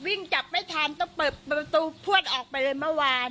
วิ่งจับไม่ทันต้องเปิดประตูพวดออกไปเลยเมื่อวาน